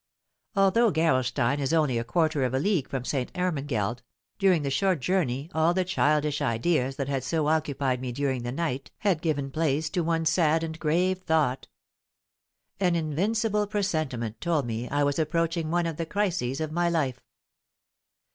Although Gerolstein is only a quarter of a league from Ste. Hermangeld, during the short journey all the childish ideas that had so occupied me during the night had given place to one sad and grave thought. An invincible presentiment told me I was approaching one of the crises of my life.